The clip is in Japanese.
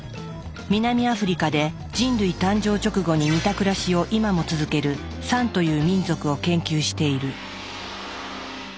南アフリカで人類誕生直後に似た暮らしを今も続けるサンという民族を研究している。